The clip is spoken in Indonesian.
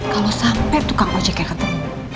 kalau sampai tukang ojeknya ketemu